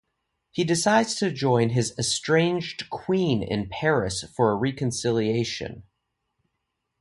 He decides to join his estranged queen in Paris for a reconciliation.